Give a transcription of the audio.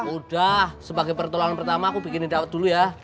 udah sebagai pertolongan pertama aku bikin ini daud dulu ya